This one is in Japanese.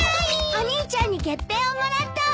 お兄ちゃんに月餅をもらったわ！